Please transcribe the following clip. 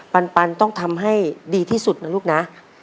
ปันต้องทำให้ดีที่สุดนะลูกนะ